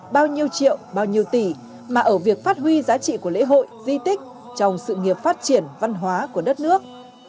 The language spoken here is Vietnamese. bao nhiêu triệu bao nhiêu tỷ mà ở việc phát huy giá trị của lễ hội di tích trong sự nghiệp phát triển văn hóa của đất nước